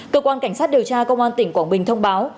cơ quan cảnh sát điều tra công an tỉnh quảng bình thông báo